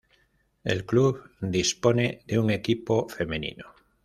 El club dispone de un equipo femenino